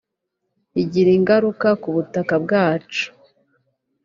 igira ingaruka k’ubutaka bwacu